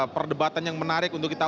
perdebatan yang menarik untuk kita